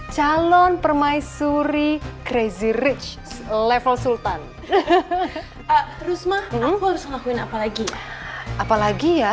calon permaisuri crazy rich level sultan terus mah ngomong harus ngakuin apalagi apalagi ya